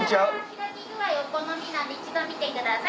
開き具合お好みなんで一度見てください。